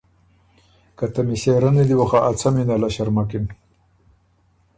که ته مِݭېرنی دی بو خه ا څمی نېله ݭرمکِن۔